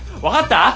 分かった？